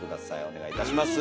お願いいたします。